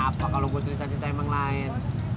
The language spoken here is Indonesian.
emang kenapa kalo gua cerita cerita yang lain